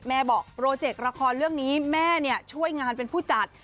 แม่บอกโปรเจกต์ละครเรื่องนี้แม่ช่วยงานเป็นผู้จัด